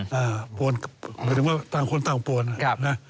หมายถึงว่าต่างคนต่างปวนนะ